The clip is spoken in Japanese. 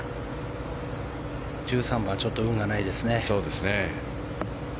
１３番ちょっと運がないですね。